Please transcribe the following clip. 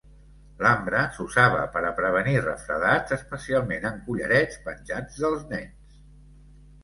L'ambre s'usava per a prevenir refredats, especialment en collarets penjats dels nens.